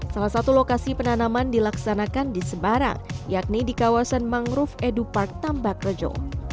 salah satu lokasi penanaman dilaksanakan di sebarang yakni di kawasan mangrove edu park tambak rejo